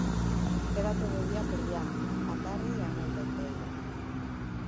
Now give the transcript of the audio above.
Queda todo o día por diante, a tarde e a noite enteira...